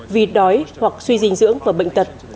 vì đói hoặc suy dinh dưỡng và bệnh tật